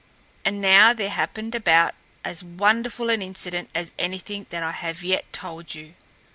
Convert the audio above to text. And now there happened about as wonderful an incident as anything that I have yet told you.